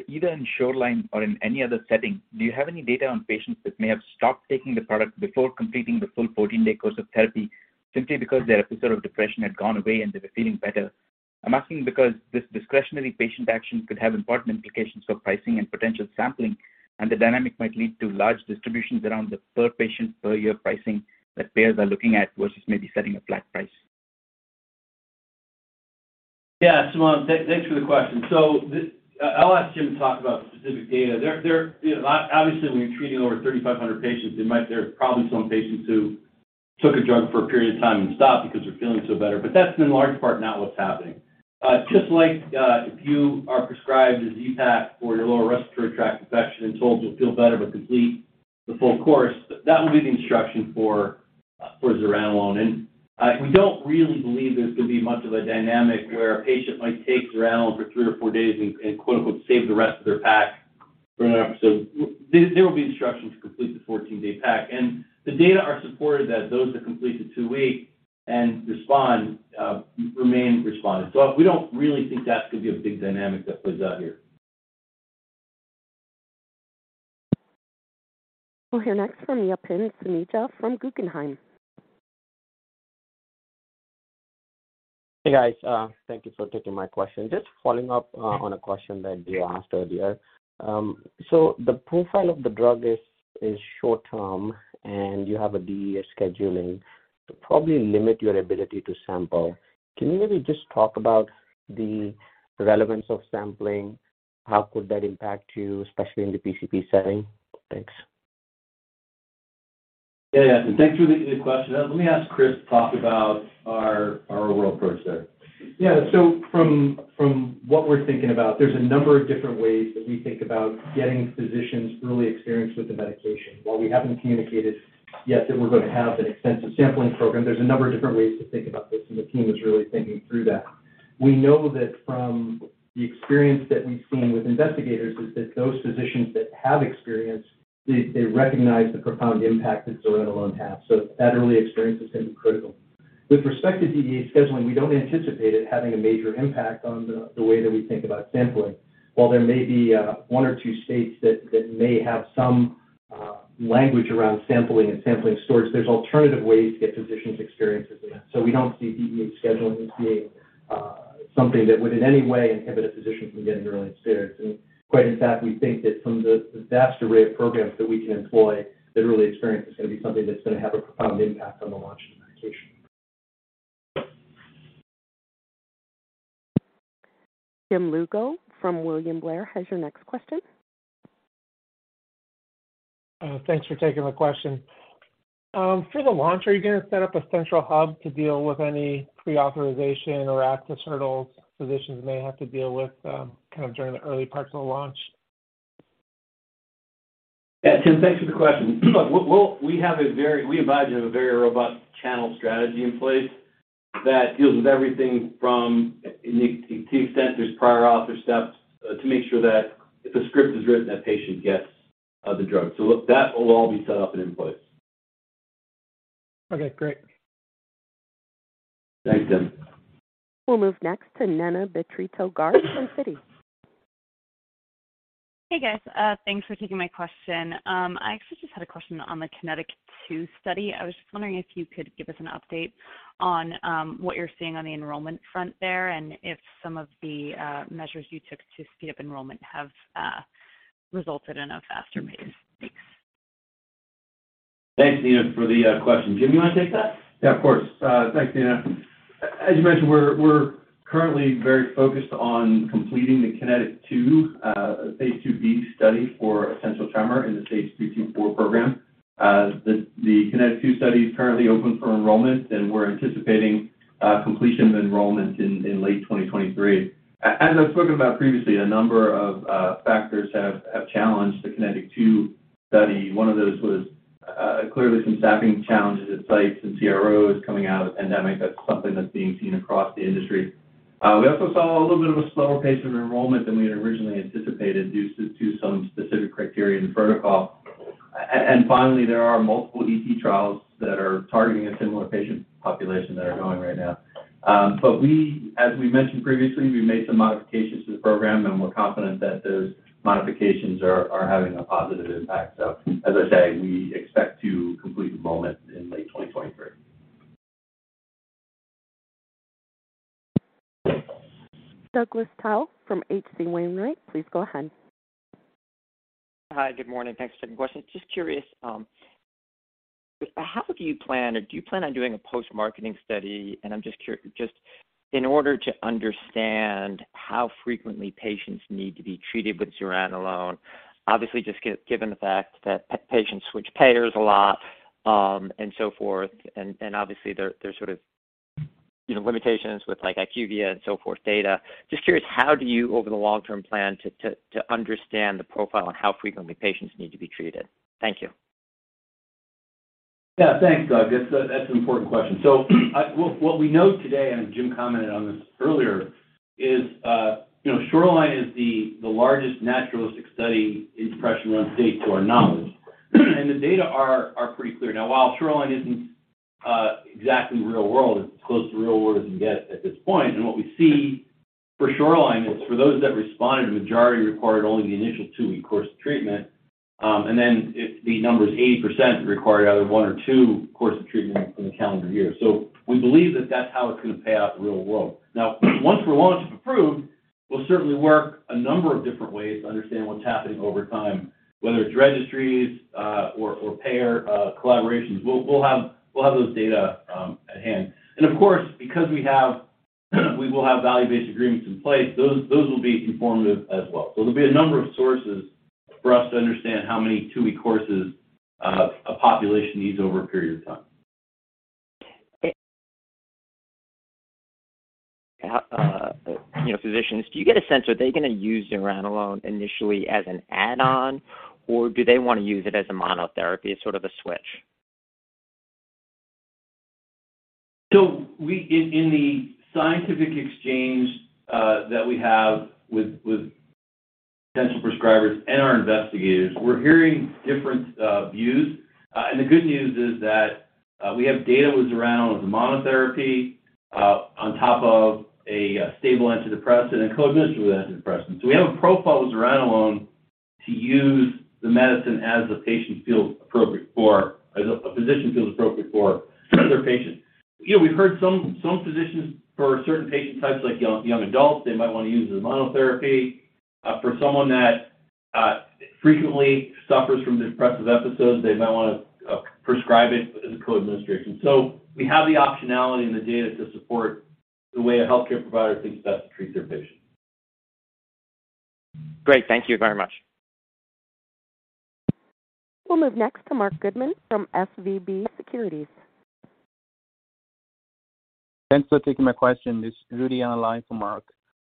Either in SHORELINE or in any other setting, do you have any data on patients that may have stopped taking the product before completing the full 14-day course of therapy simply because their episode of depression had gone away, and they were feeling better? I'm asking because this discretionary patient action could have important implications for pricing and potential sampling, and the dynamic might lead to large distributions around the per patient per year pricing that payers are looking at versus maybe setting a flat price. Yeah. Sumant, thanks for the question. I'll ask Jim to talk about the specific data. There, you know, obviously, when you're treating over 3,500 patients, there are probably some patients who took a drug for a period of time and stopped because they're feeling so better. That's in large part not what's happening. Just like, if you are prescribed a Z-Pak for your lower respiratory tract infection and told you'll feel better but complete the full course, that will be the instruction for Zuranolone. We don't really believe there's gonna be much of a dynamic where a patient might take Zuranolone for three days or four days and, quote, unquote, "save the rest of their pack for another episode." There will be instruction to complete the 14-day pack. The data are supported that those that complete the two-week and respond, remain responded. We don't really think that's gonna be a big dynamic that plays out here. We'll hear next from Yatin Suneja from Guggenheim. Hey, guys. Thank you for taking my question. Just following up on a question that they asked earlier. The profile of the drug is short term, and you have a DEA scheduling to probably limit your ability to sample. Can you maybe just talk about the relevance of sampling? How could that impact you, especially in the PCP setting? Thanks. Yeah, yeah. Thanks for the question. Let me ask Chris to talk about our overall approach there. From what we're thinking about, there's a number of different ways that we think about getting physicians really experienced with the medication. While we haven't communicated yet that we're going to have an extensive sampling program, there's a number of different ways to think about this, and the team is really thinking through that. We know that from the experience that we've seen with investigators is that those physicians that have experience, they recognize the profound impact that Zuranolone has. That early experience is going to be critical. With respect to DEA scheduling, we don't anticipate it having a major impact on the way that we think about sampling. While there may be one or two states that may have some language around sampling and sampling storage, there's alternative ways to get physicians experienced with it. We don't see DEA scheduling as being something that would in any way inhibit a physician from getting early experience. Quite in fact, we think that from the vast array of programs that we can employ, the early experience is gonna be something that's gonna have a profound impact on the launch of the medication. Tim Lugo from William Blair has your next question. Thanks for taking my question. For the launch, are you gonna set up a central hub to deal with any pre-authorization or access hurdles physicians may have to deal with, during the early parts of the launch? Yeah, Tim, thanks for the question. Look, we advise we have a very robust channel strategy in place that deals with everything from to the extent there's prior author steps to make sure that if a script is written, that patient gets the drug. Look, that will all be set up and in place. Okay, great. Thanks, Tim. We'll move next to Neena Bitritto-Garg from Citi. Hey, guys. Thanks for taking my question. I actually just had a question on the KINETIC 2 study. I was just wondering if you could give us an update on what you're seeing on the enrollment front there, and if some of the measures you took to speed up enrollment have resulted in a faster pace? Thanks. Thanks, Neena, for the question. Jim, you wanna take that? Yeah, of course. Thanks, Neena. As you mentioned, we're currently very focused on completing the KINETIC 2 phase II-b study for essential tremor in the Sage-324 program. The KINETIC 2 study is currently open for enrollment, and we're anticipating completion of enrollment in late 2023. As I've spoken about previously, a number of factors have challenged the KINETIC 2 study. One of those was clearly some staffing challenges at sites and CROs coming out of the pandemic. That's something that's being seen across the industry. We also saw a little bit of a slower pace of enrollment than we had originally anticipated due to some specific criteria in the protocol. Finally, there are multiple ET trials that are targeting a similar patient population that are going right now. We, as we mentioned previously, we made some modifications to the program, and we're confident that those modifications are having a positive impact. As I say, we expect to complete enrollment in late 2023. Douglas Tsao from H.C. Wainwright, please go ahead. Hi, good morning. Thanks for taking the question. Just curious, how do you plan or do you plan on doing a post-marketing study, and I'm just in order to understand how frequently patients need to be treated with Zuranolone, obviously just given the fact that patients switch payers a lot, and so forth, and obviously there's sort of, you know, limitations with like IQVIA and so forth data. Just curious, how do you over the long-term plan to understand the profile and how frequently patients need to be treated? Thank you. Yeah. Thanks, Doug. That's a, that's an important question. What we know today, and Jim commented on this earlier, is, you know, SHORELINE is the largest naturalistic study in depression run to date to our knowledge. The data are pretty clear. Now, while SHORELINE isn't exactly real world, it's close to real world as we can get at this point. What we see for SHORELINE is for those that responded, the majority required only the initial two-week course of treatment. If the number is 80% required either one or two course of treatment in the calendar year. We believe that that's how it's gonna play out in the real world. Once we're launched and approved, we'll certainly work a number of different ways to understand what's happening over time, whether it's registries, or payer collaborations. We'll have those data at hand. Because we will have value-based agreements in place, those will be informative as well. There'll be a number of sources for us to understand how many two-week courses a population needs over a period of time. You know, physicians, do you get a sense, are they gonna use Zuranolone initially as an add-on, or do they wanna use it as a monotherapy as sort of a switch? In the scientific exchange that we have with potential prescribers and our investigators, we're hearing different views. The good news is that we have data with Zuranolone as a monotherapy on top of a stable antidepressant and co-administered with antidepressant. We have a profile with Zuranolone to use the medicine as the patient feels appropriate for as a physician feels appropriate for their patient. You know, we've heard some physicians for certain patient types like young adults, they might wanna use it as monotherapy. For someone that frequently suffers from depressive episodes, they might wanna prescribe it as a co-administration. We have the optionality and the data to support the way a healthcare provider thinks best to treat their patient. Great. Thank you very much. We'll move next to Marc Goodman from SVB Securities. Thanks for taking my question. This is Rudy on the line for Marc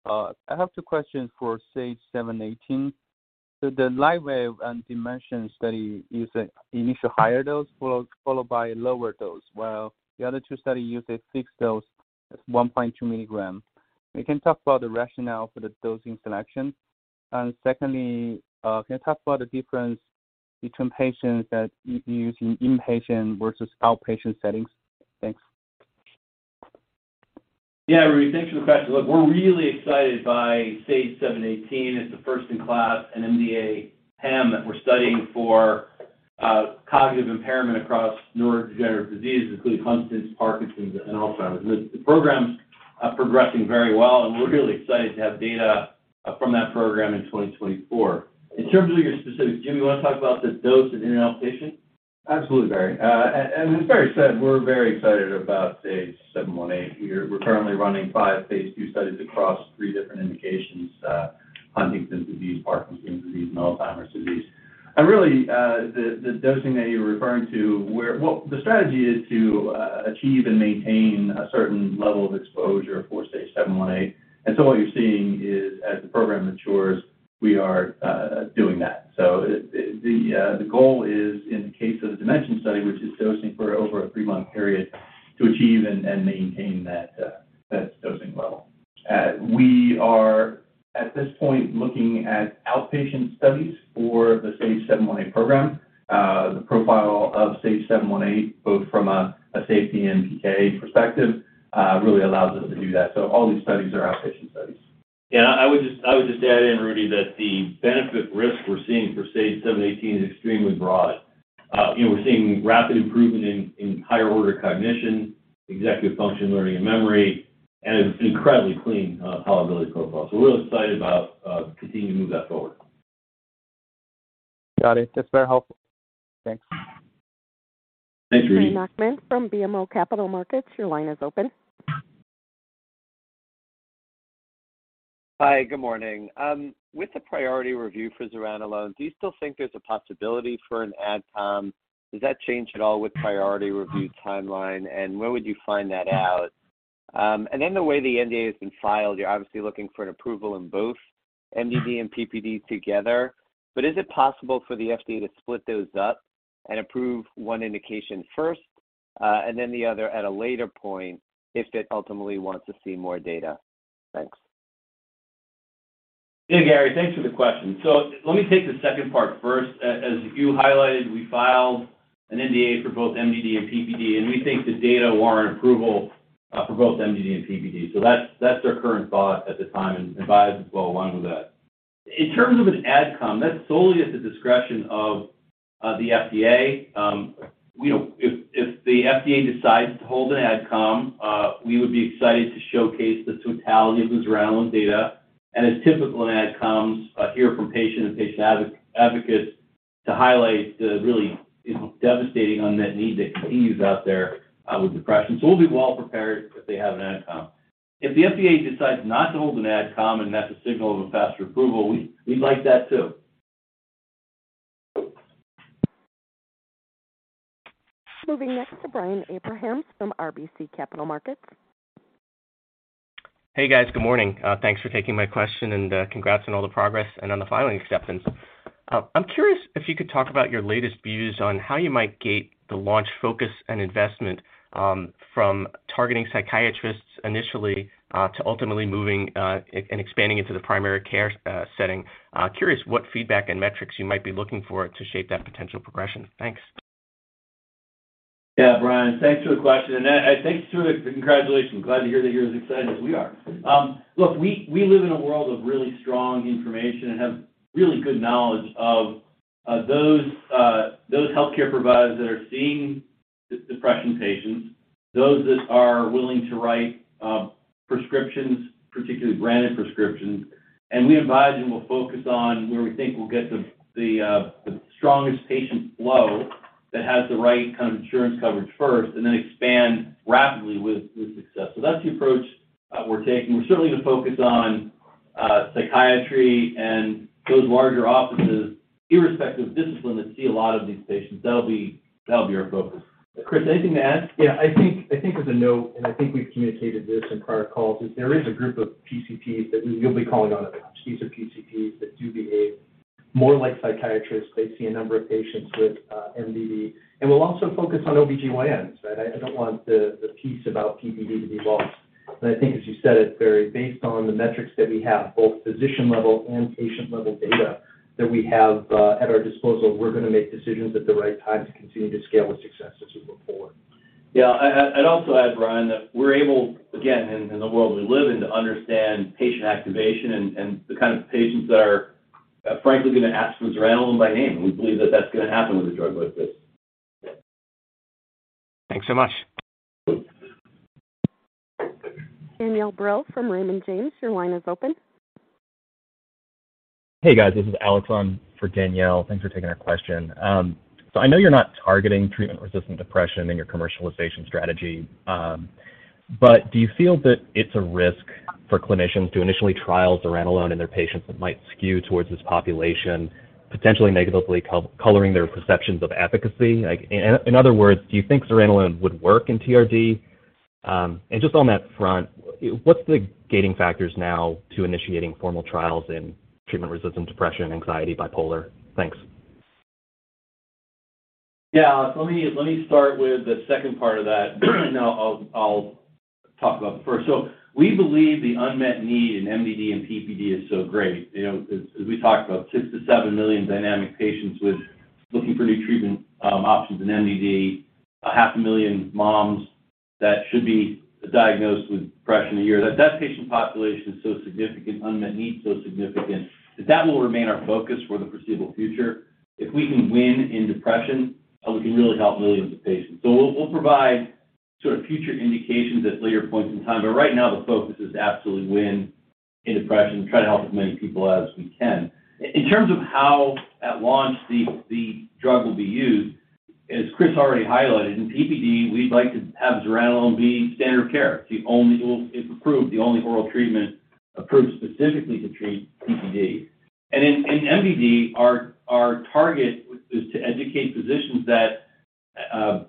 Goodman. I have two questions for SAGE-718. The LIGHTWAVE and DIMENSION study use an initial higher dose followed by lower dose, while the other two study uses fixed dose at 1.2 mg. Can you talk about the rationale for the dosing selection? Secondly, can you talk about the difference- Between patients that using inpatient versus outpatient settings. Thanks. Yeah, Rudy, thanks for the question. Look, we're really excited by SAGE-718 as the first-in-class NMDA-PAM that we're studying for cognitive impairment across neurodegenerative diseases, including Huntington's, Parkinson's, and Alzheimer's. The program's progressing very well. We're really excited to have data from that program in 2024. In terms of your specifics, Jim, you wanna talk about the dose in inpatient? Absolutely, Barry. As Barry said, we're very excited about SAGE-718. We're currently running five phase II studies across three different indications, Huntington's disease, Parkinson's disease, and Alzheimer's disease. Really, the dosing that you're referring to. Well, the strategy is to achieve and maintain a certain level of exposure for SAGE-718. What you're seeing is, as the program matures, we are doing that. The goal is in the case of the DIMENSION study, which is dosing for over a three-month period to achieve and maintain that dosing level. We are at this point looking at outpatient studies for the SAGE-718 program. The profile of SAGE-718, both from a safety and PK perspective, really allows us to do that. All these studies are outpatient studies. Yeah, I would just add in Rudy that the benefit risk we're seeing for SAGE-718 is extremely broad. you know, we're seeing rapid improvement in higher order cognition, executive function, learning and memory, and an incredibly clean tolerability profile. We're really excited about continuing to move that forward. Got it. That's very helpful. Thanks. Thanks, Rudy. Gary Nachman from BMO Capital Markets, your line is open. Hi, good morning. With the priority review for Zuranolone, do you still think there's a possibility for an AdCom? Does that change at all with priority review timeline, and when would you find that out? The way the NDA has been filed, you're obviously looking for an approval in both MDD and PPD together. Is it possible for the FDA to split those up and approve one indication first, and then the other at a later point if it ultimately wants to see more data? Thanks. Hey, Gary. Thanks for the question. Let me take the second part first. As you highlighted, we filed an NDA for both MDD and PPD, and we think the data warrant approval for both MDD and PPD. That's our current thought at the time and advise as well along with that. In terms of an AdCom, that's solely at the discretion of the FDA. You know, if the FDA decides to hold an AdCom, we would be excited to showcase the totality of the Zuranolone data. As typical in AdComs, hear from patients and patient advocates to highlight the really, you know, devastating unmet need that continues out there with depression. We'll be well prepared if they have an AdCom. If the FDA decides not to hold an AdCom, and that's a signal of a faster approval, we'd like that too. Moving next to Brian Abrahams from RBC Capital Markets. Hey, guys. Good morning. Thanks for taking my question and congrats on all the progress and on the filing acceptance. I'm curious if you could talk about your latest views on how you might gate the launch focus and investment, from targeting psychiatrists initially, to ultimately moving and expanding into the primary care setting. Curious what feedback and metrics you might be looking for to shape that potential progression. Thanks. Brian, thanks for the question. Thanks for the congratulations. Glad to hear that you're as excited as we are. Look, we live in a world of really strong information and have really good knowledge of those healthcare providers that are seeing depression patients, those that are willing to write prescriptions, particularly branded prescriptions. We advise and will focus on where we think we'll get the strongest patient flow that has the right kind of insurance coverage first, and then expand rapidly with success. That's the approach we're taking. We're certainly gonna focus on psychiatry and those larger offices, irrespective of discipline, that see a lot of these patients. That'll be our focus. Chris, anything to add? Yeah. I think there's a note, and I think we've communicated this in prior calls, is there is a group of PCPs that you'll be calling on at launch. These are PCPs that do behave more like psychiatrists. They see a number of patients with MDD. We'll also focus on OBGYNs, right? I don't want the piece about PPD to be lost. I think as you said, it's very based on the metrics that we have, both physician-level and patient-level data that we have at our disposal. We're gonna make decisions at the right time to continue to scale with success as we move forward. Yeah. I'd also add, Brian, that we're able, again, in the world we live in to understand patient activation and the kind of patients that are frankly gonna ask for Zuranolone by name. We believe that that's gonna happen with a drug like this. Thanks so much. Danielle Brill from Raymond James, your line is open. Hey, guys. This is Alex, on for Danielle. Thanks for taking our question. I know you're not targeting treatment-resistant depression in your commercialization strategy, but do you feel that it's a risk for clinicians to initially trial Zuranolone in their patients that might skew towards this population, potentially negatively coloring their perceptions of efficacy? Like, in other words, do you think Zuranolone would work in TRD? Just on that front, what's the gating factors now to initiating formal trials in treatment-resistant depression, anxiety, bipolar? Thanks. Let me start with the second part of that. I'll talk about it first. We believe the unmet need in MDD and PPD is so great. You know, as we talked about, 6-7 million dynamic patients with, looking for new treatment, options in MDD. Half a million moms that should be diagnosed with depression a year. That patient population is so significant, unmet need so significant, that will remain our focus for the foreseeable future. If we can win in depression, we can really help millions of patients. We'll provide sort of future indications at later points in time. Right now the focus is absolutely win in depression, try to help as many people as we can. In terms of how at launch the drug will be used, as Chris already highlighted, in PPD we'd like to have Zuranolone be standard of care, the only oral... if approved, the only oral treatment approved specifically to treat PPD. In MDD, our target is to educate physicians that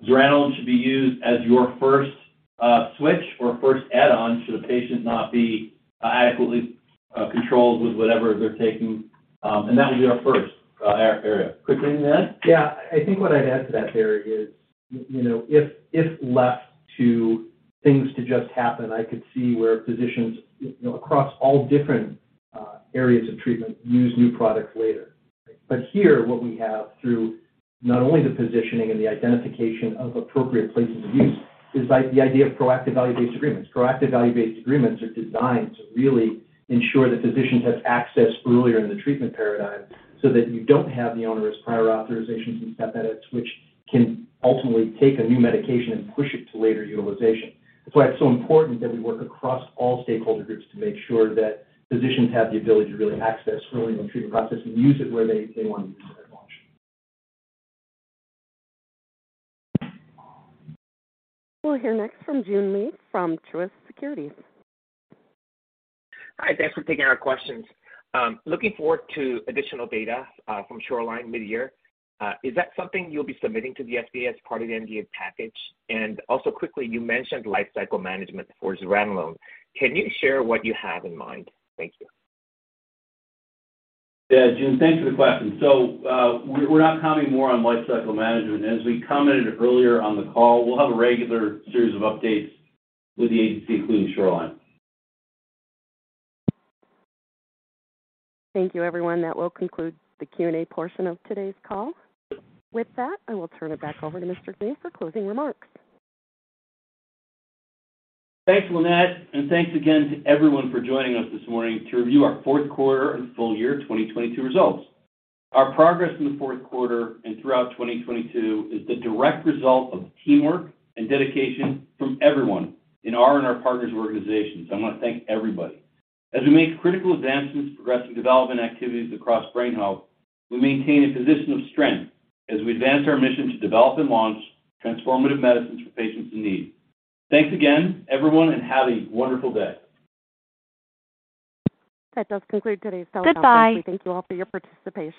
Zuranolone should be used as your first switch or first add-on should a patient not be adequately controlled with whatever they're taking. That will be our first area. Quick thing to add? Yeah. I think what I'd add to that, Alex, is, you know, if left to things to just happen, I could see where physicians, you know, across all different areas of treatment use new products later. Here what we have through not only the positioning and the identification of appropriate places of use is the idea of proactive value-based agreements. Proactive value-based agreements are designed to really ensure that physicians have access earlier in the treatment paradigm so that you don't have the onerous prior authorizations and step edits, which can ultimately take a new medication and push it to later utilization. That's why it's so important that we work across all stakeholder groups to make sure that physicians have the ability to really access early in the treatment process and use it where they want to use it at launch. We'll hear next from Joon Lee from Truist Securities. Hi. Thanks for taking our questions. Looking forward to additional data, from SHORELINE midyear. Is that something you'll be submitting to the FDA as part of the NDA package? Also quickly, you mentioned lifecycle management for Zuranolone. Can you share what you have in mind? Thank you. Yeah, Joon, thanks for the question. We're not commenting more on lifecycle management. As we commented earlier on the call, we'll have a regular series of updates with the agency, including Shoreline. Thank you, everyone. That will conclude the Q&A portion of today's call. With that, I will turn it back over to Mr. Greene for closing remarks. Thanks, Lynette. Thanks again to everyone for joining us this morning to review our Q4 and full year 2022 results. Our progress in the Q4 and throughout 2022 is the direct result of teamwork and dedication from everyone in our and our partners' organizations. I wanna thank everybody. As we make critical advancements progressing development activities across brain health, we maintain a position of strength as we advance our mission to develop and launch transformative medicines for patients in need. Thanks again, everyone, and have a wonderful day. That does conclude today's telephone conference. Goodbye. We thank you all for your participation.